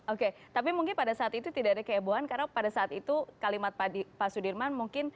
oke tapi mungkin pada saat itu tidak ada kehebohan karena pada saat itu kalimat pak sudirman mungkin